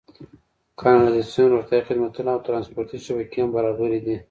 کانالیزاسیون، روغتیايي خدمتونه او ټرانسپورتي شبکې هم برابرې دي.